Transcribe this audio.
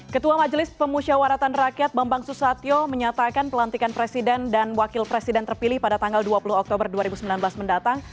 ketua majelis pemusyawaratan rakyat bambang susatyo menyatakan pelantikan presiden dan wakil presiden terpilih pada tanggal dua puluh oktober dua ribu sembilan belas mendatang